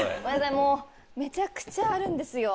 めちゃくちゃあるんですよ。